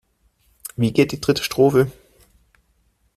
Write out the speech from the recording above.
Wie geht die dritte Strophe?